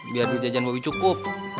biar dua jajan bobi cukup